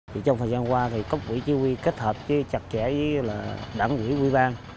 trong thời gian qua cốc quỹ chí quy kết hợp chặt chẽ với đảng quỹ quy ban